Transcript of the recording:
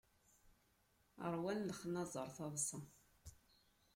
Ṛwan lexnazer taḍsa.